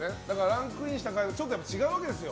ランクインした回答がちょっと違うんですよ。